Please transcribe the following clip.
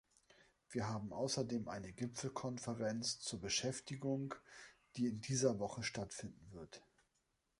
Wir haben außerdem eine Gipfelkonferenz zur Beschäftigung, die in dieser Woche stattfinden wird.